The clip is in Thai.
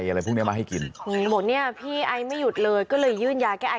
อะไรพรุ่งนี้มาให้กินพี่ไอไม่หยุดเลยก็เลยยื่นยาแก้ไอ